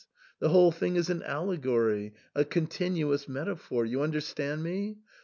The whole thing is an allegory, a continuous metaphor. You understand me ?